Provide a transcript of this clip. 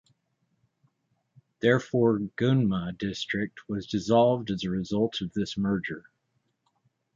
Therefore, Gunma District was dissolved as a result of this merger.